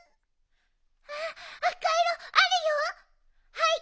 はい！